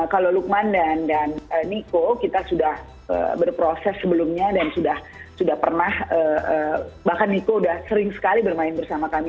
kalau lukman dan niko kita sudah berproses sebelumnya dan sudah pernah bahkan niko sudah sering sekali bermain bersama kami